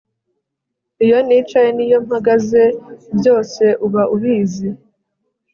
iyo nicaye n'iyo mpagaze, byose uba ubizi